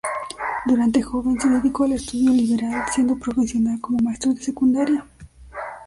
Durante joven se dedicó al estudio liberal, siendo profesional como maestro de secundaria.